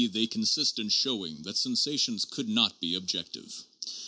they consist in showing that sensations could not be objective.